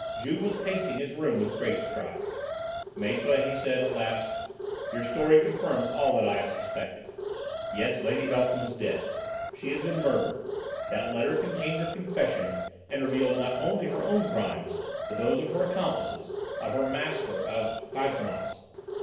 Juve was pacing his room with great strides. "Maître," he said at last, "your story confirms all I have suspected. Yes, Lady Beltham is dead. She has been murdered. That letter contained her confession and revealed not only her own crimes, but those of her accomplices, of her master of Fantômas.